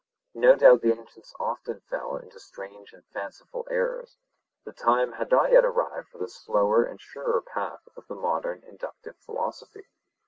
No doubt the ancients often fell into strange and fanciful errors: the time had not yet arrived for the slower and surer path of the modern inductive philosophy.